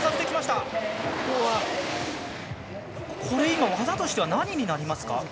これ、今、技としては何になりますか。